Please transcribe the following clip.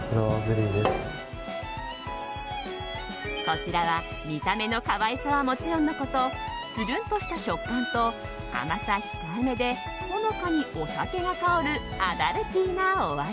こちらは見た目の可愛さはもちろんのことつるんとした食感と甘さ控えめでほのかにお酒が香るアダルティーなお味。